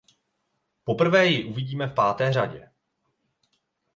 Poprvé ji uvidíme v páté řadě.